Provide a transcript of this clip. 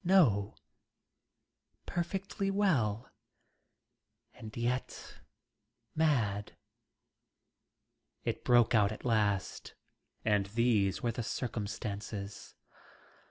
No, perfectly well, and yet mad. It broke out at last, and these were the circumstances.